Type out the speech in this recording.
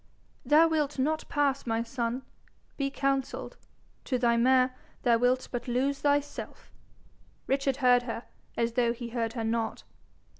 'Thou wilt not pass, my son. Be counselled. To thy mare, thou wilt but lose thyself.' Richard heard her as though he heard her not.